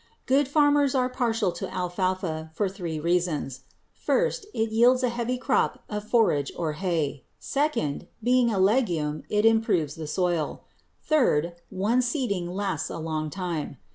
Good farmers are partial to alfalfa for three reasons. First, it yields a heavy crop of forage or hay. Second, being a legume, it improves the soil. Third, one seeding lasts a long time.